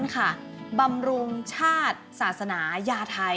ค่ะบำรุงชาติศาสนายาไทย